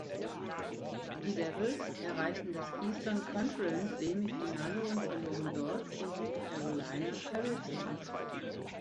Die Devils erreichten das Eastern Conference-Semifinale und verloren dort gegen die Carolina Hurricanes.